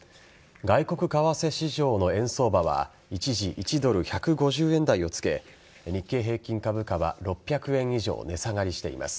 外国為替市場の円相場は一時、１ドル１５０円台をつけ日経平均株価は６００円以上値下がりしています。